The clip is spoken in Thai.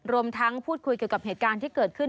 รวมทั้งพูดคุยเกี่ยวกับเหตุการณ์ที่เกิดขึ้น